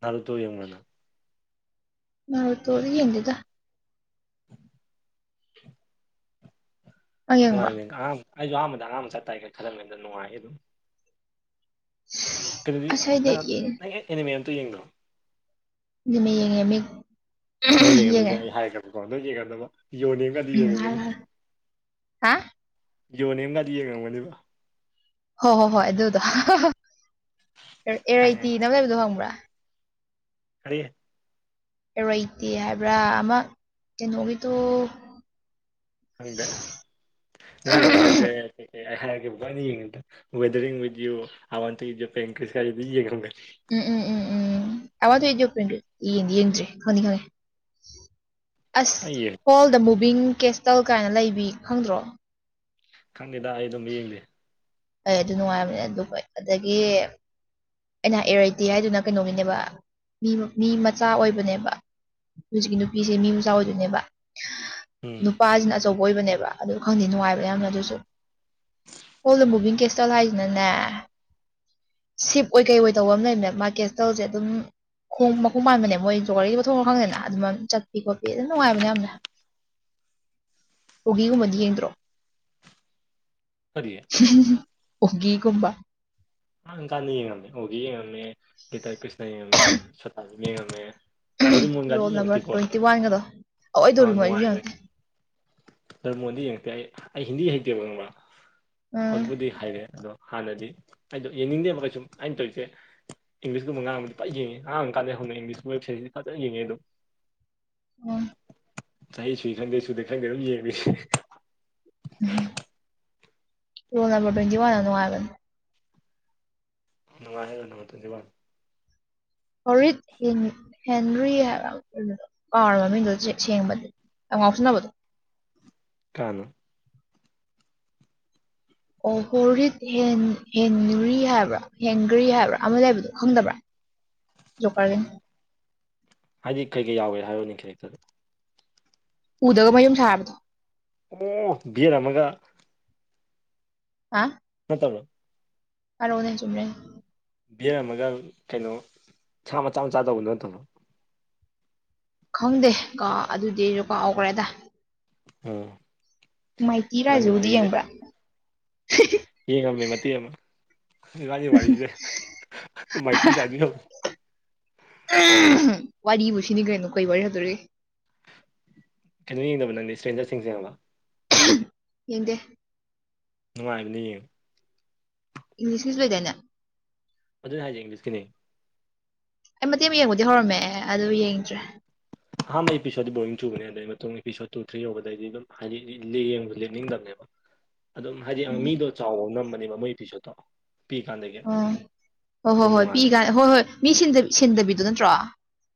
[unintelligible] ꯇꯣ ꯌꯦꯡ [unintelligible] ꯃꯥ ꯇꯣꯔꯤꯒ ꯌꯦꯗꯗ ꯍꯥ ꯅꯪ ꯌꯦꯡꯕ꯭ꯔꯣ ꯅꯨꯡꯉꯥꯏꯕꯅꯤ ꯑꯉꯥꯡ ꯑꯩꯁꯨ ꯑꯍꯥꯟꯕꯗ ꯑꯉꯥꯡ ꯆꯠ ꯇꯥꯏꯦꯒ ꯈꯜꯂꯝꯕꯗ ꯅꯨꯡꯉꯥꯏꯌꯦ ꯑꯗꯨꯝ ꯍ ꯀꯩꯅꯣꯗꯤ ꯅꯪ ꯅꯪ ꯑꯦꯅꯤꯃꯦꯦꯟ ꯑꯇ ꯌꯦꯡꯕ꯭ꯔꯣ ꯑꯗꯨꯃꯤ ꯌꯦꯡꯉꯦ ꯃꯤ ꯅꯪ ꯌꯦꯡꯒꯟꯗꯣꯏꯁꯦ ꯑꯩ ꯍꯥꯏꯈ꯭ꯔꯕꯀꯣ ꯅꯪ ꯌꯦꯡꯒꯟꯗꯕ ꯌꯣꯟꯅꯤꯡꯉꯒ ꯑꯗꯨ ꯎꯝ ꯍꯥꯏꯔꯣ ꯌꯦꯡꯉꯨꯒꯅꯤ ꯍꯥꯏꯔꯣ ꯍꯥ ꯌꯣꯟꯅꯦꯝꯅꯗꯤ ꯌꯦꯡ ꯉꯝꯒꯅꯦꯕ ꯍꯣꯏ ꯍꯣ ꯍꯣꯏ ꯑꯗꯨꯗꯣ ꯑꯦꯔꯩꯇꯤꯅ ꯂꯩꯕꯗꯣ ꯐꯪꯕ꯭ꯔꯥ ꯍꯥꯏꯔꯤꯦ ꯏꯔꯣꯏꯇꯦ ꯍꯥꯏꯕ꯭ꯔꯥ ꯑꯃ ꯀꯩꯅꯣꯒꯤꯗꯣ ꯍꯪꯗꯦ ꯅꯣꯏ ꯌꯦꯡꯉꯝꯗꯣꯏꯁꯦ ꯍꯥꯏꯔꯅꯤ ꯌꯦꯦꯗꯔꯤꯋꯥ ꯄ ꯌꯦꯡ ꯎꯝ ꯎꯝ ꯎꯝ ꯎꯝ ꯎꯝ ꯑꯋꯥꯗ ꯌꯦ ꯌꯦꯡ ꯌꯦꯡꯗ꯭ꯔꯦ ꯈꯅꯤ ꯈꯅꯤ ꯑꯁ ꯑꯩ ꯌꯦꯡ ꯍꯣꯜ ꯗ ꯃꯨꯚꯤꯡ ꯀꯦꯁꯇꯜ ꯀꯥꯏꯅ ꯂꯩꯕꯤ ꯈꯪꯗ꯭ꯔꯣ ꯈꯪꯗꯦꯗ ꯑꯩ ꯑꯗꯨꯝ ꯌꯦꯡꯗꯦ ꯑꯩ ꯑꯗꯨ ꯅꯨꯡꯉꯥꯏꯔꯕꯅꯤ ꯑꯗꯨ ꯑꯗꯒꯤ ꯑꯅꯥ ꯑꯦꯔꯥꯏꯇꯦ ꯍꯥꯏꯗꯨꯅ ꯀꯩꯅꯣꯒꯤꯅꯦꯕ ꯃꯤ ꯃꯤ ꯃꯆꯥ ꯑꯣꯏꯕꯅꯦꯕ ꯍꯧꯖꯤꯛꯀꯤ ꯅꯨꯄꯤꯁꯦ ꯃꯤ ꯃꯆꯥ ꯑꯣꯏꯗꯣꯏꯅꯦꯕ ꯎꯝ ꯅꯨꯄꯥꯁꯤꯅ ꯑꯆꯧꯕ ꯑꯣꯏꯕꯅꯦꯕ ꯑꯗꯨ ꯈꯪꯗꯦ ꯅꯨꯡꯉꯥꯏꯕ ꯎꯝ ꯌꯥꯝꯅ ꯑꯗꯨꯁꯨ ꯍꯣ ꯀꯦꯁꯇꯂ ꯍꯥꯏꯁꯤꯅꯅꯦ ꯁꯤꯞ ꯑꯣꯏ ꯀꯩ ꯑꯣꯏ ꯇꯧꯕ ꯑꯃ ꯂꯩꯕꯅꯦ ꯃꯥꯔꯀꯦꯠꯁ ꯇꯧꯁꯦ ꯑꯗꯨꯝ ꯈꯣꯡ ꯍꯣꯏ ꯃꯈꯨꯝ ꯄꯥꯟꯕꯅꯦ ꯃꯣꯏ ꯖꯣꯒꯥꯔꯤꯒꯤ ꯄꯣꯊꯣꯡ ꯈꯪꯗꯦꯅ ꯑꯗꯨꯝ ꯆꯠꯄꯤ ꯈꯣꯠꯄꯤ ꯑꯗꯨꯝ ꯅꯨꯡꯉꯥꯏꯕꯅꯦ ꯌꯥꯝꯅ ꯄꯨꯒꯤꯒꯨꯝꯕꯗꯤ ꯌꯦꯡꯗ꯭ꯔꯣ ꯐꯔꯤꯌꯦ ꯑꯣꯒꯤꯒꯨꯝꯕ ꯑ ꯀꯥꯟꯗ ꯌꯦꯡꯉꯝꯃꯦ ꯑꯣꯒꯤ ꯌꯦꯡꯉꯝꯃꯦ ꯂꯤꯇꯔ ꯄꯁꯅ ꯌꯦꯡꯉꯝꯃꯦ ꯁꯇꯥꯖꯝ ꯌꯦꯡꯉꯝꯃꯦ ꯗꯔꯤ ꯃꯟꯒꯥꯗꯤ ꯔꯣꯜ ꯅꯝꯕꯔ ꯌꯦꯡꯇꯤꯀꯣ ꯇ꯭ꯋꯦꯟꯇꯤ ꯋꯥꯟꯒꯗꯣ ꯑ ꯑꯑꯣꯏꯗꯧꯔꯤꯃꯣ ꯑꯩꯁꯨ ꯅꯨꯡꯉꯥꯏꯒ ꯌꯦꯡꯉꯛꯇꯦ ꯗꯔꯃꯣꯟꯗꯤ ꯌꯦꯡꯉꯛꯇꯦ ꯑꯩ ꯑꯩ ꯍꯤꯟꯗꯤ ꯍꯩꯇꯦꯕ ꯉꯪꯕ꯭ꯔꯥ ꯎꯝ ꯍꯧꯖꯤꯛꯄꯨꯗꯤ ꯍꯥꯏꯔꯦ ꯑꯗꯣ ꯍꯥꯟꯅꯗꯤ ꯑꯩꯗꯣ ꯌꯦꯡꯅꯤꯡꯗꯦ ꯑꯃ ꯀꯩ ꯁꯨꯝ ꯑꯩꯅ ꯇꯧꯔꯤꯁꯦ ꯏꯪꯂꯤꯁꯀꯨꯝꯕ ꯑꯥꯡꯕꯗꯤ ꯄꯥꯏ ꯌꯦꯡꯉꯦ ꯉꯥꯡꯕ ꯀꯥꯟꯗ ꯍꯧꯅ ꯏꯪꯂꯤꯁꯀꯤ ꯋꯦꯕꯁꯥꯏꯠꯁꯤ ꯐꯖꯅ ꯌꯦꯡꯉꯦ ꯑꯗꯨꯝ ꯑ ꯎꯝ ꯆꯍꯤ ꯁꯨꯏ ꯈꯪꯗꯦ ꯁꯨꯗꯦ ꯈꯪꯗꯦ ꯑꯗꯨꯝ ꯌꯦꯡꯉ ꯎꯝ ꯔꯣꯜ ꯅꯝꯕꯔ ꯇ꯭ꯋꯦꯟꯇꯤ ꯋꯥꯟꯅꯨꯡꯉꯥꯏꯕ ꯃ ꯍꯥꯏ ꯑꯗꯨꯣ ꯊꯖꯕꯥ ꯍꯣꯔꯤꯠ ꯍꯦꯟꯔꯤ ꯍꯥꯏꯕ ꯀꯥꯔ ꯃꯃꯤꯡꯗꯨ ꯁꯦꯡꯕꯗꯨ ꯑꯉꯥꯎꯁꯅꯅꯕꯗꯣ ꯀꯥꯅ ꯑꯣ ꯍꯣꯔꯤꯠ ꯍꯦꯟꯔꯤ ꯍꯥꯏꯕ꯭ꯔꯥ ꯍꯦꯟꯒ꯭ꯔꯤ ꯍꯥꯏꯕ꯭ꯔꯥ ꯑꯃ ꯂꯩꯕꯗꯣ ꯈꯪꯗꯕ꯭ꯔꯥ [unintelligible] ꯣꯀꯦ ꯍꯥꯏꯗꯤ ꯀꯩ ꯀꯩ ꯌꯥꯎꯋꯦ ꯍꯥꯏꯔꯣꯅꯤ ꯀꯦꯔꯦꯛꯇꯔꯗ ꯎꯗꯒ ꯃꯌꯨꯝ ꯁꯥꯕꯗꯣ ꯑꯣ ꯕꯤꯔ ꯑꯃꯒ ꯍꯥ ꯅꯠꯇꯧꯕꯣ ꯀꯔꯣꯅꯦ ꯆꯨꯝꯅꯦ ꯕꯤꯌꯔ ꯑꯃꯒ ꯀꯩꯅꯣ ꯁꯥ ꯃꯆꯥ ꯃꯆꯥ ꯇꯧꯕꯗꯨ ꯅꯠꯇꯕꯣ ꯈꯪꯗꯦ ꯀ ꯑꯗꯨꯗꯤ ꯑꯩꯖꯨ ꯀꯥꯎꯈ꯭ꯔꯦꯗ ꯑ ꯃꯥꯏꯇꯤ ꯏꯕꯥꯅꯤ ꯔꯥꯏꯖꯨꯗꯤ ꯃꯔꯤꯁꯦ ꯌꯦꯡꯕ꯭ꯔꯥ ꯌꯦ ꯉꯝꯃꯦ ꯃꯇꯛ ꯑꯃ ꯏꯕꯥꯅꯤ ꯋꯥꯔꯤꯗꯦ ꯃꯥꯩꯇꯤ ꯇꯥ ꯍꯧ ꯋꯥꯔꯤꯕꯨ ꯁꯤꯅꯤ ꯀꯩꯅꯣ ꯀꯩ ꯋꯥꯔꯤ ꯍꯥꯏꯗꯣꯔꯤ ꯀꯩꯅꯣ ꯌꯦꯡꯗꯕ ꯅꯪꯗꯤ ꯏꯁꯇ꯭ꯔꯦꯟꯖꯔꯁꯤꯡꯁ ꯌꯦꯡꯕ ꯌꯦꯗꯦ ꯅꯨꯡꯉꯥꯏꯕꯅꯤ ꯌꯦꯡ ꯏꯪꯂꯤꯁ ꯃꯤꯁ ꯂꯩꯩꯗꯅ ꯑꯗꯨꯅꯤ ꯍꯥꯏꯁꯦ ꯏꯪꯂꯤꯁꯀꯤꯅꯤ ꯑꯩ ꯃꯇꯦꯛ ꯑꯃ ꯌꯦꯡꯕꯨꯗꯤ ꯍꯧꯔꯝꯃꯦ ꯑꯗꯨ ꯌꯦꯡꯗ꯭ꯔꯦ ꯑꯍꯥꯟꯕ ꯑꯦꯄꯤꯁꯣꯗ ꯕꯔꯤꯡ ꯇꯨꯕꯅꯦ ꯑꯗꯨꯗꯩ ꯃꯇꯨꯡ ꯏꯄꯤꯁꯣꯠ ꯇꯨ ꯊ꯭ꯔꯤ ꯌꯧꯕꯗꯩꯗꯤ ꯑꯗꯨꯝ ꯍꯥꯏꯗꯤ ꯌꯦꯡꯕ ꯂꯦꯞꯅꯤꯡꯗꯕꯅꯦꯕ ꯑꯗꯨꯝ ꯍꯥꯏꯗꯤ ꯃꯤꯗꯣ ꯆꯥꯎꯕ ꯅꯝꯕꯅꯦꯕ ꯃꯣꯏ ꯏꯄꯤꯁꯣꯠꯇꯣ ꯄꯤ ꯀꯥꯟꯗꯒꯦ ꯑꯣ ꯍꯣꯏ ꯍꯣꯏ ꯍꯣꯏ ꯄꯤ ꯀꯥꯟ ꯍꯣꯏ ꯍꯣꯏ ꯃꯤ ꯁꯤꯟꯗꯕꯤꯗꯣ ꯅꯠꯇ꯭ꯔꯣ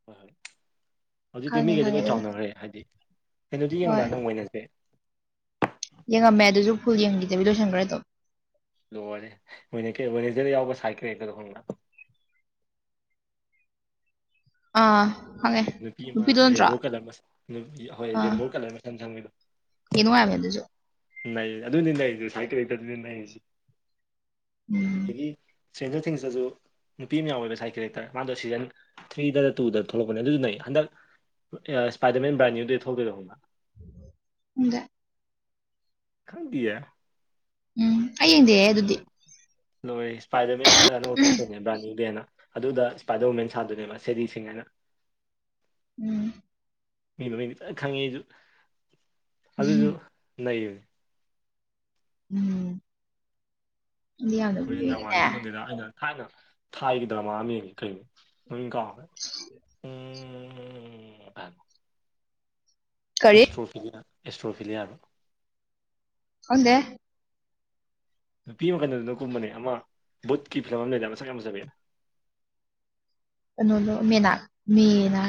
ꯍꯣꯏ ꯍꯣꯏ ꯍꯧꯖꯤꯛꯇꯤ ꯈꯪꯉꯦ ꯃꯤꯒꯗ ꯂꯣꯏ ꯈꯪꯉꯦ ꯑꯗꯨꯗꯣ ꯆꯥꯎꯅꯈ꯭ꯔꯦ ꯍꯥꯏꯗꯤ ꯍꯦꯅꯣꯗꯤ ꯍꯣꯏ ꯌꯦꯡꯕ꯭ꯔꯥ ꯅꯪ ꯑꯣꯏꯅꯁꯦ ꯌꯦꯡꯉꯝꯃꯦ ꯑꯗꯨꯁꯨ ꯐꯨꯜ ꯌꯦꯡꯈꯤꯗꯕꯤ ꯂꯣꯏꯁꯤꯟꯈ꯭ꯔꯦ ꯇꯧ ꯂꯣꯏꯔꯦ ꯃ ꯃꯅꯦꯖꯔꯗ ꯌꯥꯎꯕ ꯁꯥꯏ ꯀꯦꯀꯗ ꯈꯪꯅ ꯑꯥ ꯈꯪꯉꯦ ꯅꯨꯄꯤ ꯑꯃ ꯅꯨꯄꯤꯗꯣ ꯅꯠꯇ꯭ꯔꯣ ꯔꯦꯟꯕꯣ ꯀꯂꯔ ꯍꯣꯏ ꯔꯦꯟꯕꯣ ꯀꯂꯔ ꯃ ꯁꯪꯕꯤꯕ ꯌꯡ ꯅꯨꯡꯉꯥꯏꯕꯅꯤ ꯑꯗꯨꯨꯖꯣ ꯂꯩ ꯑꯗꯨꯅꯤ ꯂꯩꯔꯤꯁꯦ ꯁ꯭ꯋꯥꯏ ꯀꯔꯤꯗ ꯑꯗꯨꯅꯤ ꯂꯩꯔꯤꯁꯦ ꯎꯝ ꯑꯗꯒꯤ ꯆꯦꯟꯖꯔ ꯊꯤꯡꯁꯇꯁꯨ ꯅꯨꯄꯤ ꯑꯃ ꯌꯥꯎꯋꯕ ꯁꯥꯏꯠ ꯀꯦꯔꯦꯛꯇꯔ ꯃꯥꯗꯣ ꯁꯤꯖꯟ ꯊ꯭ꯔꯤꯗ ꯇꯨꯗ ꯊꯣꯛꯂꯛꯄꯅꯦ ꯑꯗꯨꯗꯨ ꯅ ꯍꯟꯗꯛ ꯑꯦ ꯏꯁꯄꯥꯏꯗꯔꯃꯦꯟ ꯕꯔꯥꯅꯤꯗꯨꯗꯤ ꯊꯧꯗꯣꯏꯔꯛ [unintelligible] ꯈꯪꯗꯤꯌꯥ ꯎꯝ ꯑꯩ ꯌꯦꯡꯗꯤꯑ ꯑꯗꯨꯗꯤ ꯂꯣꯏ ꯏꯁꯄꯥꯏꯗꯔꯃꯦꯟ ꯍꯟꯗꯛ ꯍꯟꯅ ꯂꯧꯊꯣꯛꯄꯅꯦ ꯕ꯭ꯔꯥꯅꯤꯗꯅ ꯑꯗꯨꯗ ꯏꯁꯄꯥꯏꯗꯔꯋꯃꯦꯟ ꯁꯥꯗꯨꯅꯦꯕ ꯁꯦꯗꯤꯁꯤꯡ ꯍꯥꯏꯅ ꯎꯝ ꯃꯤꯗꯨ ꯃꯤꯗꯤ ꯐ ꯈꯪꯉꯦ ꯑꯩꯁꯨ ꯑꯗꯨꯁꯨ ꯎꯝ ꯂꯩꯌꯦ ꯎꯝ ꯑꯗꯨꯗꯤ ꯌꯥꯝꯗꯕꯨ ꯀꯣꯔꯤꯌꯟ ꯌꯦꯒꯤꯅꯦ ꯗ꯭ꯔꯃꯥꯗꯤ ꯈꯪꯗꯦꯗ ꯑꯩꯅ ꯊꯥꯏꯅ ꯊꯥꯏꯒꯤ ꯗ꯭ꯔꯃꯥ ꯑꯃ ꯌꯦꯡ ꯀꯩꯅꯣ ꯃꯃꯤꯡ ꯀꯥꯎꯈꯔ꯭ꯦ [unintelligible] ꯀꯔꯤ ꯑꯦꯁꯇ꯭ꯔꯣꯐꯤꯂꯤꯌꯥ ꯑꯦꯁꯇ꯭ꯔꯣꯐꯤꯂꯤꯌꯥꯗꯣ ꯍꯪꯗꯦ ꯅꯨꯄꯤ ꯑꯃꯈꯟꯗ ꯑꯗꯨꯅ ꯀꯨꯝꯕꯅꯦ ꯑꯃ ꯕꯨꯠꯀꯤ ꯐꯤꯂꯝ ꯑꯃ ꯂꯩꯗ ꯃꯆꯥ ꯌꯥꯝ ꯃꯆꯥꯄꯕꯤ ꯀꯅꯣꯂꯣ ꯃꯅꯥ ꯃꯤꯔ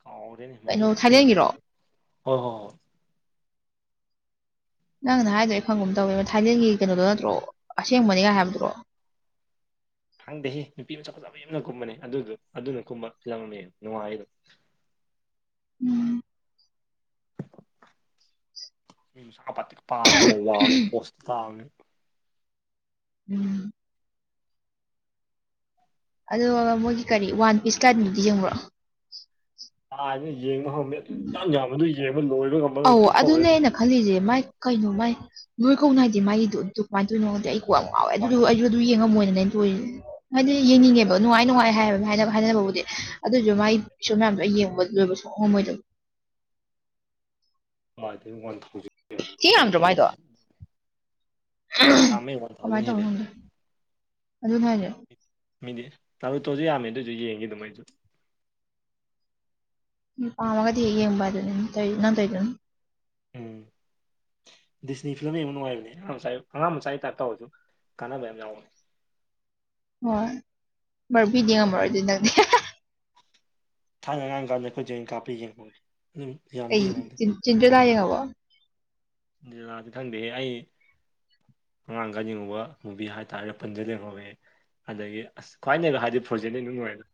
ꯀꯥꯎꯔꯦꯅꯦ ꯀꯩꯅꯣ ꯃꯃꯤꯡ ꯅꯨꯄꯤ ꯃꯃꯤꯡ ꯊꯥꯏꯂꯦꯟꯒꯤꯔꯣ ꯍꯣꯏ ꯍꯣꯏ ꯍꯣꯏ ꯅꯪꯅ ꯍꯥꯏꯗ꯭ꯔꯣ ꯑꯩ ꯐꯪꯕ ꯑꯃ ꯇꯧꯋꯦꯕ ꯊꯥꯏꯂꯦꯟꯒꯤ ꯀꯩꯅꯣꯗꯣ ꯅꯠꯇ꯭ꯔꯣ ꯑꯁꯦꯡꯕꯅꯤꯒꯥꯏ ꯍꯥꯏꯕꯗꯨ꯭ꯔꯣ ꯍꯪꯗꯦꯍ ꯅꯨꯄꯤ ꯃꯆꯥꯆꯥꯥꯕ ꯌꯥꯝꯅ ꯀꯨꯝꯕꯅꯦ ꯑꯗꯨꯗꯨ ꯑꯗꯨꯅ ꯀꯨꯝꯕ ꯐꯤꯂꯝ ꯑꯃ ꯌꯥꯝ ꯅꯨꯡꯉꯥꯏꯗꯣ ꯎꯝ ꯅꯨꯄꯤ ꯃꯁꯥ ꯄꯥꯇꯔꯤꯛ ꯄꯥꯔ ꯋꯥꯡꯉ ꯄꫭꯁꯇꯤ ꯇꯥꯕꯅꯤ ꯎꯝ ꯑꯗꯨꯒ ꯃꯣꯏꯒꯤ ꯀꯔꯤ ꯋꯥꯟ ꯄꯤꯁ ꯀꯅꯤꯗꯤ ꯌꯦꯡꯕ꯭ꯔꯣ ꯀꯅ ꯌꯦꯡꯕ ꯉꯝꯃꯦ ꯑꯗꯨ ꯆꯥꯡ ꯌꯥꯝꯕꯗꯨ ꯌꯦꯡꯕ ꯂꯣꯏꯕ ꯉ ꯑꯧ ꯑꯗꯨꯅꯦ ꯑꯩꯅ ꯈꯜꯂꯤꯁꯦ ꯃꯥꯏ ꯀꯩꯅꯣ ꯃꯥꯏ ꯅꯣꯏ ꯀꯧꯅ ꯍꯥꯏꯗꯤ ꯃꯥꯒꯤꯗꯣ ꯑꯗꯨ ꯀꯃꯥꯏꯅ ꯇꯧꯅꯣꯗꯤ ꯑꯩ ꯌꯥꯝ ꯉꯥꯎꯋꯦ ꯑꯗꯨ ꯋꯥꯟ ꯑꯩꯁꯨ ꯊꯥꯎꯖꯟ ꯑꯗꯨꯝ ꯌꯦꯡꯉꯝꯃꯣꯏꯅꯅꯦ ꯑꯩꯅ ꯇꯣꯏꯔꯤꯁꯦ ꯍꯥꯏꯗꯤ ꯌꯦꯡꯅꯤꯡꯉꯦꯕ ꯅꯨꯡꯉꯥꯏ ꯅꯨꯡꯉꯥꯏ ꯍꯥꯏꯕ ꯍꯥꯏꯅꯕꯕꯨꯗꯤ ꯑꯗꯨꯁꯨ ꯃꯥꯏ ꯄꯁꯨ ꯃꯌꯥꯝꯗꯣ ꯑꯩ ꯌꯦꯡꯕ ꯂꯣꯏꯕꯁꯨꯣꯛꯍꯝꯃꯣꯏꯗ ꯑ ꯑꯗꯨ ꯃꯦ ꯊ ꯃꯥꯏꯗ ꯌꯥꯝꯃꯦ ꯋꯥꯟ ꯊꯥꯎꯖꯟ ꯀꯃꯥꯏꯗ ꯍꯦꯜꯂꯦ ꯑꯗꯨ ꯐꯔꯦ ꯃꯤꯗꯤ ꯅꯥꯔꯨꯇꯣꯁꯨ ꯌꯥꯝꯃꯦ ꯑꯗꯨꯑꯣꯏꯁꯨ ꯌꯦꯡꯈꯤꯗꯃꯩꯁꯨ ꯎ ꯄꯥꯎꯃꯒꯗꯤ ꯍ ꯌꯦꯡꯕ ꯑꯗꯨ ꯅ ꯅꯪ ꯇꯣꯏꯗꯨꯅ ꯎꯝ ꯗꯤꯁꯅꯤ ꯐꯤꯂꯝ ꯌꯥꯝ ꯅꯨꯡꯉꯥꯏꯔꯤꯕꯅꯤ ꯑꯉꯥꯡ ꯃꯆꯥꯥꯏ ꯑꯉꯥꯡ ꯃꯆꯥꯥꯏꯒꯤ ꯇꯥꯛꯞ ꯇꯧꯔꯁꯨ ꯀꯥꯟꯅꯕ ꯌꯥꯝ ꯌꯥꯎꯕꯅꯤ ꯍꯣꯏ ꯕꯔꯕꯤꯗꯤ ꯌ‌ꯦꯡꯉꯝ ꯃꯔ‌ꯣꯏꯗꯨꯗꯤ ꯅꯪꯅꯦ ꯊꯥꯅꯔꯥꯡ ꯀꯥꯟꯗ ꯑꯩꯈꯣꯏ ꯖꯩꯅ ꯀꯥꯞꯄ ꯌꯦꯡꯍꯧꯋꯤ ꯑꯗꯨꯝ ꯌꯥꯝꯗꯤ ꯑꯩ ꯌꯦꯡꯍꯧꯗꯦ ꯆ ꯆꯤꯟꯗꯔ‌ꯦꯜꯂꯥ ꯌ‌ꯦꯡꯉꯕ‌ꯣ ꯆꯤꯟꯗꯔ‌ꯦꯜꯂꯥꯗꯤ ꯈꯪꯗꯦꯍꯦ ꯑꯩ ꯑꯉꯥꯡ ꯀꯅꯤꯡꯉꯕ ꯃꯨꯚꯤ ꯍꯥꯏꯇꯥꯔꯦ ꯄꯟꯖ ꯂꯉꯧꯦ ꯑꯗꯒꯤ ꯑꯁ ꯈ꯭ꯋꯥꯏꯅꯦꯕ ꯍꯥꯏꯗꯤ ꯐ꯭ꯔꯣꯖꯦꯂꯤ ꯑꯗꯨꯅꯨꯡꯣꯏꯗ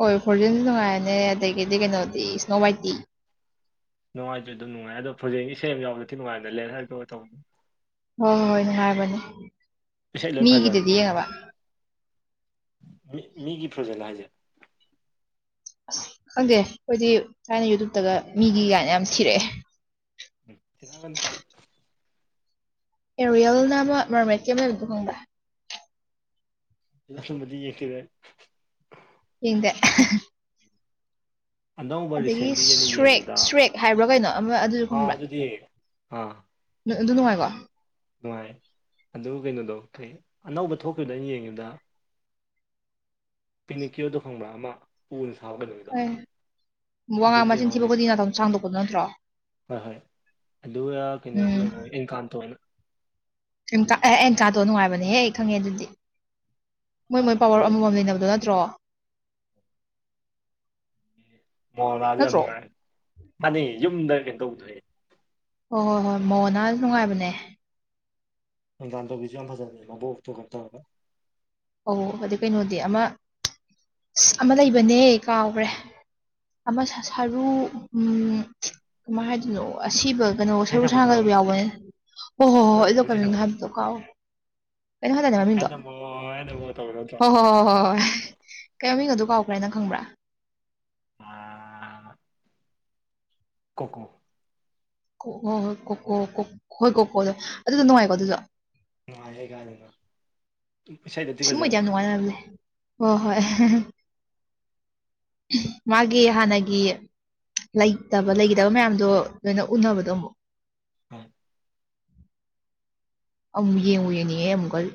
ꯍꯣꯏ ꯐꯣꯔꯖꯤꯟꯁꯨ ꯅꯨꯡꯉꯥꯏꯔꯅꯦ ꯑꯗꯒꯤꯗꯤ ꯀꯩꯅꯣꯗꯤ ꯏꯁ꯭ꯅꯣ ꯋꯥꯏꯠꯇꯤ ꯅꯨꯡꯉꯥꯏꯖ꯭ꯔ ꯑꯗꯨꯝ ꯅꯨꯡꯉꯥꯏ ꯑꯗꯣ ꯐꯖꯦꯟꯒꯤ ꯁꯦꯜ ꯌꯥꯎꯗꯗꯤ ꯅꯨꯡꯉꯥꯏꯅꯦꯦꯟ ꯍꯥꯏꯔꯛꯒ ꯇꯧꯕ ꯍꯣꯏ ꯍꯣꯏ ꯍꯣꯏꯅꯦ ꯍꯥꯏꯕꯅꯦ ꯏꯁꯩ ꯂꯣꯏ ꯐꯖꯕꯅꯤ ꯃꯤꯒꯤꯗꯗꯤ ꯃꯣꯏꯗꯤ ꯌꯦꯡꯉꯕ ꯃꯤ ꯃꯤꯒꯤ ꯄ꯭ꯔꯣꯖꯦꯛ ꯍꯥꯏꯁꯦ ꯑꯁ ꯈꯪꯗꯦ ꯑꯩꯈꯣꯏꯗꯤ ꯁꯨꯥꯏꯅ ꯌꯨꯇꯨꯕꯇꯒ ꯃꯤꯒꯤ ꯥꯟ ꯌꯥꯝ ꯊꯤꯔꯛꯑꯦ ꯎ ꯆꯦ ꯑꯦꯔꯤꯌꯦꯜꯅ ꯑꯃ ꯃꯣꯔꯃꯦꯠ ꯀꯦꯦꯝꯕꯗꯨ ꯈꯪꯕ ꯏ ꯃ ꯌꯦꯦꯛꯇꯦ ꯍꯗ ꯑꯅꯧꯕ ꯑꯗꯒꯤ ꯔꯤꯁꯦꯟꯂꯤ ꯑꯩꯅ ꯁ꯭ꯔꯦꯛ ꯌꯦꯡꯉꯕꯗ ꯁ꯭ꯔꯦꯛ ꯍꯥꯏꯕ꯭ꯔꯥ ꯀꯩꯅꯣ ꯑꯃ ꯑꯗꯨꯁꯨ ꯑꯥ ꯈꯪꯕ꯭ꯔꯥ ꯑꯗꯨꯗꯤ ꯑꯥ ꯑꯗꯨ ꯅꯨꯡꯉꯥꯏꯀꯣ ꯅꯨꯡꯉꯥꯏ ꯑꯗꯨ ꯀꯩꯅꯣꯗ‌ꯣ ꯑꯅꯧꯕ ꯊꯣꯛꯈꯤꯕꯗ ꯑꯩꯅ ꯌꯦꯡꯉꯗ ꯄꯤꯅꯤꯀꯤ꯭ꯌꯣꯗꯣ ꯈꯪꯕ꯭ꯔ ꯑꯃ ꯄꯨꯜ ꯐꯥꯎꯒꯂꯨ ꯑꯦ ꯋꯥꯉꯥꯡ ꯃꯆꯤꯟ ꯊꯤꯕꯕꯨꯗꯤ ꯅꯥꯇꯪ ꯁꯥꯡꯗꯣꯛꯄꯗꯣ ꯅꯠꯇ꯭ꯔꯣ ꯍꯣꯏ ꯍꯣꯏ ꯑꯗꯨꯒ ꯀꯩꯅꯣꯁꯨ ꯎꯝ ꯌꯦꯡꯉꯣ ꯏꯟꯀꯥꯝ ꯇꯧꯅ ꯑꯦ ꯑꯦ ꯀꯥꯗꯣ ꯅꯨꯡꯉꯥꯏꯕꯅꯦꯍꯦ ꯑꯩ ꯈꯪꯉꯦ ꯑꯗꯨꯗꯤ ꯃꯣꯏ ꯌꯥꯝ ꯃꯣꯏ ꯄꯋꯥꯔ ꯐꯖꯩꯌꯦ ꯑꯃꯃꯝ ꯂꯩꯅꯕꯗꯣ ꯅꯠꯇ꯭ꯔꯣ ꯃꯣꯂꯥꯁꯨ ꯌꯥꯝ ꯅꯠꯇ꯭ꯔꯣ ꯅꯨꯡꯉꯥꯏꯔ ꯃꯥꯅꯦꯩ ꯌꯨꯝꯗ ꯀꯩꯅꯣ ꯇꯧꯗꯣꯏ ꯍꯣꯏ ꯍꯣꯏ ꯍꯣꯏ ꯃꯉꯣꯟꯅꯁꯨ ꯅꯨꯡꯉꯥꯏꯕꯅꯦ ꯑꯗꯥꯥꯟꯗꯣꯕꯤꯁꯨ ꯌꯥꯝ ꯐꯖꯅ ꯂꯩꯕꯣ ꯑꯣꯛꯇꯣ ꯀꯔ ꯇꯧꯔꯕ ꯑꯣ ꯍꯥꯏꯗꯤ ꯀꯩꯅꯣꯗꯤ ꯑꯃ ꯑꯃ ꯂꯩꯕꯅꯦ ꯀꯥꯎꯈ꯭ꯔꯦ ꯑꯃ ꯁꯔꯨ ꯀꯃꯥꯏ ꯍꯥꯏꯗꯣꯏꯅꯣ ꯑꯁꯤꯕ ꯀꯩꯅꯣ ꯏꯁꯩ ꯁꯔꯨ ꯁꯛꯄꯗꯨꯔꯣ ꯁꯥꯥꯡꯒꯗꯕ ꯌꯥꯎꯕꯅꯦ ꯍꯣ ꯍꯣꯏ ꯍꯣꯏ ꯍꯣꯏ ꯑꯩꯗꯣ ꯀꯣꯡꯒꯩ ꯏꯁꯩ ꯀꯃꯤꯅꯣ ꯁꯛꯄꯗꯣ ꯍꯥꯏꯕꯗꯣ ꯀꯥꯎꯋ ꯀꯩꯅꯣ ꯍꯥꯏꯇꯥꯅꯤ ꯃꯃꯤꯡꯗꯣ ꯑꯦꯅꯃꯣ ꯑꯦꯅꯃꯣ ꯇꯧꯕꯗꯣ ꯅꯠꯇ꯭ꯔꯣ ꯍꯣ ꯍꯣꯏ ꯍꯣꯏ ꯍꯣꯏ ꯍꯣꯏ ꯀꯩꯃꯤꯡꯒ ꯑꯗꯨ ꯀꯥꯎꯈ꯭ꯔꯦꯅ ꯈꯪꯕ꯭ꯔꯥ ꯈꯣꯈꯣ ꯀ ꯑꯣꯣ ꯍꯣꯏ ꯀꯣ ꯀꯣ ꯍꯣꯏ ꯀꯣ ꯀꯣꯗꯣ ꯑꯗꯨꯗꯣ ꯅꯨꯡꯉꯥꯏꯀꯣ ꯑꯗꯨꯗ ꯅꯨꯡꯉꯥꯏ ꯑꯩ ꯀꯥꯏꯗꯅ ꯏꯁꯩꯗꯗꯤ ꯐꯖꯅꯦ ꯃꯦ ꯍꯣꯏ ꯍꯣꯏ ꯃꯥꯒꯤ ꯍꯥꯟꯅꯒꯤ ꯂꯩꯇꯕ ꯂꯩꯒꯗꯕ ꯃꯌꯥꯝꯗꯣ ꯂꯣꯏꯅ ꯎꯅꯕꯗ ꯑꯃꯨꯛ ꯎꯝ ꯑꯝ ꯌꯦꯡꯉꯨ ꯌꯦꯡꯅꯤꯡꯉꯦ ꯑꯃꯨꯛꯀꯜ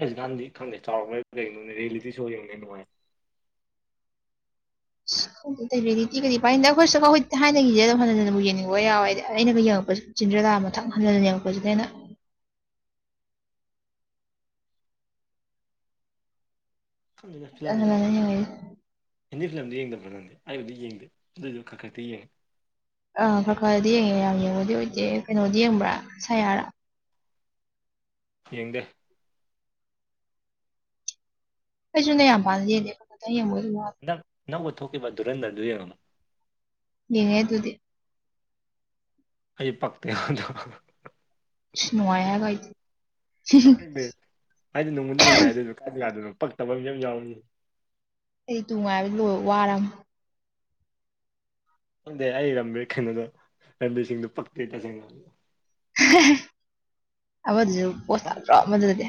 ꯔꯥꯁ ꯥꯟꯗꯤ ꯈꯪꯗꯦ ꯆꯥꯎꯔꯝꯅ ꯀꯩꯅꯣꯅꯦ ꯔꯤꯌꯦꯂꯤꯇꯤ ꯁꯣ ꯌꯦꯡꯅꯦ ꯅꯨꯡꯉꯥꯏ ꯗꯤꯤ ꯀꯔꯤ ꯄꯥꯏꯗ ꯑꯩꯈꯣꯏꯁꯨꯀ ꯑꯩꯈꯣꯏ ꯊꯅꯒꯤꯁꯦ ꯑꯗꯨꯝ ꯍꯟ ꯍꯅ ꯑꯃꯨꯛ ꯌꯦꯅꯤꯡꯕ ꯌꯥꯎꯋꯦꯗꯤ ꯑꯩꯅꯒ ꯌꯦꯡꯉꯛꯄꯁꯨ ꯆꯤꯟꯗ꯭ꯔꯗꯥꯥ ꯃꯊꯪ ꯍꯟꯍꯜꯅꯤꯡꯉꯛꯄꯁꯤꯗ ꯑꯩꯅ ꯑꯩꯅ ꯍꯟꯅ ꯐꯤꯔꯂꯝꯖꯩꯅ ꯍꯟꯅ ꯌꯦꯡꯉꯛꯏ ꯍꯤꯟꯗꯤ ꯐꯤꯂꯝꯗꯨ ꯌꯦꯡꯗꯕ꯭ꯔ ꯅꯪꯗꯤ ꯑꯩꯕꯨꯗꯤ ꯌꯦꯡꯗꯦ ꯑꯗꯨꯏꯗꯨ ꯈꯔ ꯈꯛꯇꯤ ꯌꯦꯡꯉꯦ ꯑꯥ ꯈꯔ ꯈꯔꯗꯤ ꯌꯦꯡꯉꯦ ꯌꯥꯝ ꯌꯦꯡꯉꯗꯤ ꯑꯣꯏꯗꯦ ꯀꯩꯅꯣꯗꯤ ꯌꯦꯡꯕ꯭ꯔꯥ ꯁꯌꯥꯔꯥ ꯌꯦꯡꯗꯦ ꯀꯩꯁꯨꯅ ꯌꯥꯝꯥꯟꯂꯤꯦꯥꯏ ꯃꯣꯏ ꯅꯪ ꯅꯧꯕ ꯊꯣꯛꯈꯤꯕ ꯗꯨꯔꯦꯟꯗꯔꯗꯨ ꯌꯦꯡꯉꯨꯨ ꯌꯦꯉꯦ ꯑꯗꯨꯗꯤ ꯑꯩ ꯄꯛꯛꯇꯗ ꯁꯅꯣꯋꯥ ꯍꯥꯏꯒ ꯏꯗꯤ ꯍ ꯍꯥꯏꯗꯤ ꯅꯣꯡꯃꯗꯤ ꯅꯨꯡꯉꯥꯏ ꯑꯗꯨ ꯀꯥꯏꯗꯥꯗꯅ ꯄꯛꯇꯕ ꯌꯥꯝ ꯌꯥꯎꯔꯤꯅꯤ ꯑꯩꯗꯤ ꯇꯅꯨꯡꯉꯥꯏꯕꯗꯤ ꯂꯣꯏ ꯋꯥꯔꯝ ꯈꯪꯗꯦ ꯑꯩ ꯔꯥꯕꯤꯔ ꯀꯩꯅꯣꯗꯣ ꯔꯝꯕꯤꯔꯁꯤꯡꯗꯨꯣ ꯄꯛꯇꯦ ꯇꯁꯦꯡꯅ ꯑꯃꯗꯨꯁꯨ ꯄꯣꯠ ꯑ- ꯇꯥꯠꯇ꯭ꯔꯣ ꯑꯃꯗꯨꯗꯗꯤ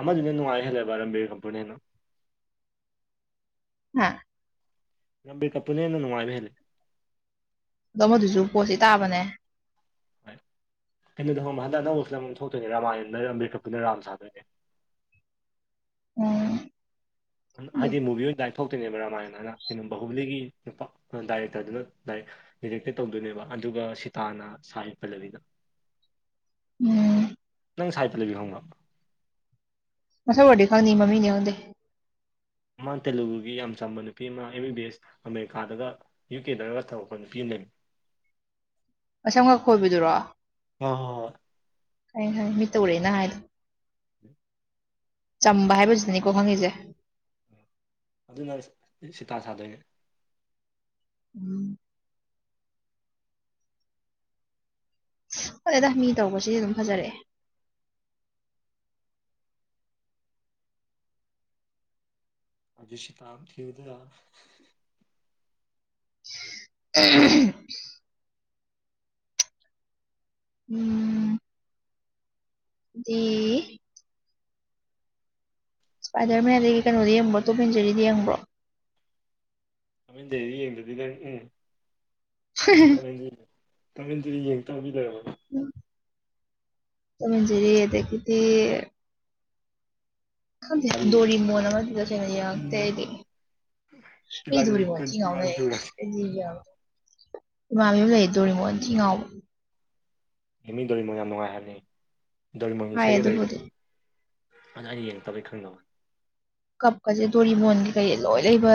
ꯑꯃꯗꯨꯅ ꯅꯅꯨꯡꯉꯥꯏ ꯍꯂꯦꯕꯔ ꯕꯤꯔ ꯀꯄꯅꯤꯅ ꯍꯥ ꯅꯕꯤꯛꯄꯅꯅꯦ ꯅꯅꯨꯡ ꯃꯥꯥꯏ ꯃꯦ ꯑꯗꯣ ꯃꯗꯨꯁꯨ ꯄꯣꯠꯁꯤ ꯇꯥꯕꯅꯦ ꯍꯣꯏ ꯀꯩꯅꯣꯗ ꯍ ꯍꯟꯗꯛ ꯑꯅꯧꯕꯁꯤ ꯂꯝ ꯑꯃ ꯊꯣꯛꯇꯣꯏꯅꯦ ꯔꯥꯃꯥꯏꯅꯟ ꯃꯦꯀꯞꯇꯨꯅ ꯔꯥꯝ ꯁꯥꯗꯣꯏꯅꯦ ꯎꯝ ꯑꯗꯨ ꯍꯥꯏꯗꯤ ꯃꯨꯚꯤ ꯑꯣꯏꯅ ꯗꯥꯏꯔꯤꯛ ꯐ ꯊꯣꯛꯇꯣꯏꯅꯦꯕ ꯔꯥꯃꯥꯌꯟ ꯍꯥꯏꯅ ꯀꯩꯅꯣ ꯕꯍꯨꯕꯤꯂꯤꯒꯤ ꯅꯨꯄꯥ ꯗꯥꯏꯔꯦꯛꯇꯔꯗꯨꯅ ꯗꯥꯛ ꯔꯤꯔꯦꯛꯇꯦ ꯇꯧꯗꯣꯏꯅꯦꯕ ꯑꯗꯨꯒ ꯁꯤꯇꯥꯅ ꯁꯥ ꯍ ꯄꯜꯂꯕꯤꯗ ꯎꯝ ꯅꯪ ꯁꯥꯏꯐꯠꯇ ꯂꯩꯕꯤꯍꯣꯡꯕ꯭ꯔꯕ ꯃꯊ ꯋꯥꯔꯤꯗꯤ ꯈꯪꯅꯤ ꯃꯃꯤ ꯅꯉꯗ ꯃꯥꯅ ꯇꯦꯂꯨꯒꯨꯒꯤ ꯌꯥꯝ ꯆꯝꯕ ꯅꯨꯄꯤ ꯑꯃ ꯑꯦꯝ ꯕꯤ ꯕꯤ ꯑꯦꯁ ꯑꯃꯦꯔꯤꯀꯥꯗꯒ ꯌꯨ ꯀꯦ ꯗꯔꯁ ꯊꯈ ꯄꯤꯅꯦ ꯃꯁꯝꯒ ꯈꯣꯏꯕꯗꯨꯔꯣ ꯍꯣꯏ ꯍꯣꯏ ꯈ ꯈ ꯃꯤꯠ ꯇꯧꯔꯛꯦꯅ ꯍꯥꯏꯗ ꯎꯝ ꯆꯝꯕ ꯍꯥꯏꯕꯁꯤꯗꯅꯤꯀꯣ ꯈꯪꯉꯤꯁꯦ ꯑꯗꯨꯅ ꯁꯤꯇꯥ ꯁꯥꯗꯣꯏꯅꯦ ꯎꯝ ꯐꯔꯦꯗ ꯃꯤ ꯇꯧꯕꯁꯤ ꯑꯗꯨꯝ ꯐꯖꯔꯛꯑꯦ ꯍꯧꯖꯤꯁꯤ ꯇꯥꯝ ꯊꯤꯌꯨꯗ ꯌꯥ ꯎꯝ ꯎꯝ ꯖꯦ ꯏꯁꯄꯥꯏꯗꯔ ꯃꯦꯟꯗꯒꯤ ꯀꯩꯅꯣꯗ ꯌꯦꯡꯕꯔꯣ ꯇꯣꯝ ꯑꯦꯟ ꯖꯦꯔꯤꯗꯤ ꯌꯦꯡꯕ꯭ꯔꯣ ꯇꯣꯝ ꯑꯦꯟ ꯖꯦꯔꯤ ꯌꯦꯡꯗꯔꯗꯤ ꯀꯩ ꯎꯝ Tom and Jerry Tom and Jerry ꯌꯦꯡꯉꯛꯇꯕ ꯃꯤ ꯂꯩꯔꯝꯒꯅꯤ ꯇꯣꯝ ꯑꯦꯟ ꯖꯦꯔꯤ ꯑꯗꯒꯤꯗꯤ ꯈꯪꯗꯦ ꯋꯥꯔꯤꯁꯦ ꯗꯣꯔꯤꯃꯣꯟ ꯑꯃꯗꯤ ꯇꯁꯦꯡꯅ ꯌꯦꯡꯉꯛꯇꯦ ꯎꯝ ꯑꯩꯗꯤ ꯃꯤꯗꯤ ꯏꯕꯥꯅꯤꯁꯦ ꯗꯣꯔꯤꯃꯣꯟ ꯊꯤ ꯇ꯭ꯋꯦꯟꯇꯤ ꯋꯥꯟ ꯉꯥꯎꯅꯩ ꯁꯨꯔꯦ ꯑꯩꯗꯤ ꯏꯃꯥꯟꯅꯕꯤ ꯑꯃ ꯂꯩꯌꯦ ꯗꯣꯔꯤꯃꯣꯟ ꯊꯤ ꯉꯥꯎꯕ ꯍꯦꯃꯤꯟ ꯗꯣꯔꯤꯃꯣꯟ ꯌꯥꯝ ꯅꯨꯡꯉꯥꯏ ꯍꯥꯏꯕꯅꯤ ꯗꯣꯔꯤꯃꯣꯟꯒꯤ ꯍꯥꯏ ꯏꯁꯩꯒ ꯂꯩꯕꯅꯦ ꯑꯗꯨꯕꯨꯗꯤ ꯑꯗꯣ ꯑꯩꯗꯤ ꯌꯦꯡꯉꯛꯇꯕꯩ ꯈꯪꯗꯋꯥꯅꯤ ꯀꯞꯀꯖꯦ ꯗꯣꯔꯤꯃꯣꯟꯒꯤ ꯀꯩ ꯂꯣꯏ ꯂꯩꯕ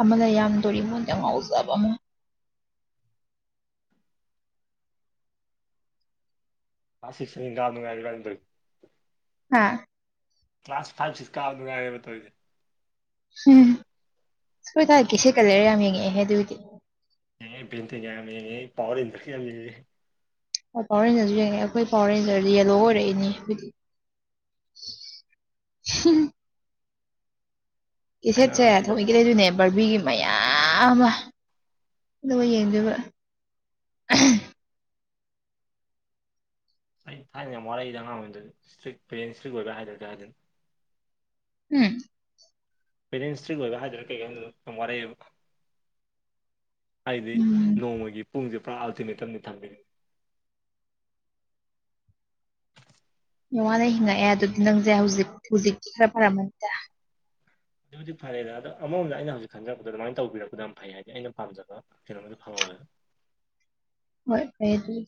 ꯑꯃ ꯂꯩ ꯌꯥꯝ ꯗꯣꯔꯤꯃꯣꯟꯗ ꯌꯥꯝ ꯉꯥꯎꯖꯕ ꯑꯃ ꯀ꯭ꯂꯥꯁ ꯁꯤꯛꯁ ꯁꯥꯚꯦꯟ ꯀꯥꯕꯗꯨ ꯉꯥꯏꯔꯦ ꯏꯕꯥꯅꯤ ꯇꯧꯔꯤꯖꯦ ꯍꯥ ꯀ꯭ꯂꯥꯁ ꯐꯥꯏꯚ ꯁꯤꯛꯁ ꯀꯥꯕꯗꯨ ꯉꯥꯏꯔꯦꯕ ꯇꯧꯋꯤꯖꯦ ꯍꯨꯝ ꯑꯈꯣꯏ ꯊꯥꯏꯅ ꯀꯦꯁꯦꯠ ꯀꯥ ꯂꯩꯔꯥ ꯌꯥꯝ ꯌꯦꯡꯉꯛꯑꯦꯍꯦ ꯑꯗꯨꯏꯗꯤ ꯌꯦꯡꯉꯦ ꯕꯦꯟꯇꯦꯟꯒ ꯌꯥꯝ ꯉꯦꯡꯉꯛꯑꯦ ꯄꯋꯥꯔ ꯔꯦꯟꯖꯔꯒ ꯌꯥꯝ ꯌꯦꯡꯉꯛꯑꯦ ꯍꯣꯏ ꯄꯋꯥꯔ ꯔꯦꯟꯖꯔꯁꯨ ꯌꯦꯡꯉꯦ ꯑꯈꯣꯏ ꯄꯋꯥꯔ ꯔꯦꯟꯖꯔꯗ ꯌꯦꯜꯂꯣ ꯑꯣꯏꯔꯛꯏꯅꯦ [unintelligible] ꯊꯥꯏꯅ ꯀꯦꯁꯦꯠꯁꯦ ꯁꯤꯗ ꯊꯥꯑꯣꯏꯀꯤ ꯇꯝꯃꯝꯃꯦ ꯂꯩꯗꯣꯏꯅꯩ ꯕꯔꯕꯤꯒꯤ ꯃꯌꯥꯝ ꯑꯃ ꯑꯗꯨꯒ ꯌꯦꯡꯗꯣꯏꯕ ꯑꯩ ꯊꯥꯏꯅ ꯌꯥꯝ ꯋꯥꯔꯛꯏꯗ ꯑꯉꯥꯡ ꯑꯣꯏꯔꯤꯉꯩꯗꯗꯤ ꯏꯁꯇ꯭ꯔꯤꯛ ꯄꯦꯔꯦꯟꯁ ꯏꯁꯇ꯭ꯔꯤꯛ ꯑꯣꯏꯕ ꯍꯥꯏꯗꯣꯏꯔ ꯀꯩ ꯍꯥꯏꯗꯣꯏꯅꯣ ꯍꯨꯝ ꯄꯦꯔꯦꯟꯁ ꯏꯁꯇ꯭ꯔꯤꯛ ꯑꯣꯏꯕ ꯍꯥꯏꯗꯣꯏꯔ ꯀꯩ ꯍꯥꯏꯗꯣꯏꯅꯣ ꯌꯥꯝ ꯋꯥꯔꯛꯑꯦꯕ ꯍꯥꯏꯗꯤ ꯎꯝ ꯅꯣꯡꯃꯒꯤ ꯄꯨꯡꯖꯦ ꯄꯨꯔꯥ ꯑꯜꯇꯤꯃꯦꯇꯝꯅꯤ ꯊꯝꯃꯤꯖꯦ ꯌꯥꯝ ꯋꯥꯅ ꯍꯤꯡꯉꯛꯑꯦ ꯑꯗꯨꯗꯤ ꯅꯪꯖꯦ ꯍꯧꯖꯤꯛ ꯍꯧꯖꯤꯛꯇꯤ ꯈꯔ ꯐꯔꯝꯃꯅꯤꯗ ꯍꯧꯖꯤꯛꯄꯨꯗꯤ ꯐꯥꯔꯦꯗ ꯑꯗꯣ ꯑꯃꯥꯔꯣꯝꯗ ꯑꯩꯅ ꯍꯧꯖꯤꯛ ꯈꯟꯖꯔꯛꯄꯗ ꯑꯗꯨꯃꯥꯏꯅ ꯇꯧꯕꯤꯔꯛꯄꯗꯣ ꯌꯥꯝ ꯐꯩ ꯍꯥꯏꯗꯤ ꯑꯩꯅ ꯄꯥꯝꯖꯕ ꯀꯩꯅꯣꯝꯗꯤ ꯐꯪꯍꯧꯋꯦ ꯍꯣꯏ ꯔꯦꯗꯤ